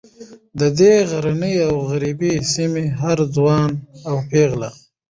د دې غرنۍ او غریبې سیمې هر ځوان او پیغله